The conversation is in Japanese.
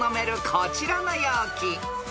こちらの容器］